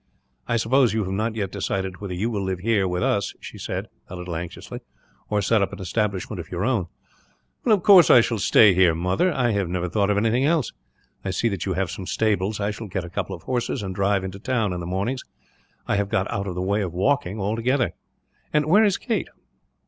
"I suppose you have not yet decided whether you will live here, with us," she said, a little anxiously, "or set up an establishment of your own." "Of course I shall stay here, mother. I never thought of anything else. I see that you have some stables. I shall get a couple of horses, and drive into town, in the mornings. I have got out of the way of walking, altogether. "And where is Kate?"